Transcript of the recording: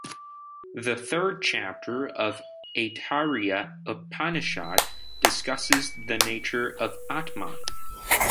The third chapter of Aitareya Upanishad discusses the nature of Atman.